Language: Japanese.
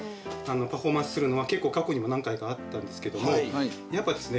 パフォーマンスするのは結構過去にも何回かあったんですけどもやっぱですね